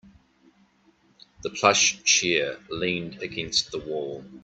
The plush chair leaned against the wall.